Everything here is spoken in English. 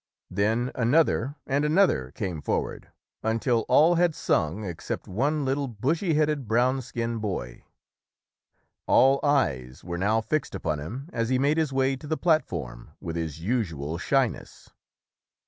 Then another and another came forward until all had sung except one little bushy headed, brown skinned boy. All eyes were now fixed upon him as he made his way to the plat form with his usual shyness.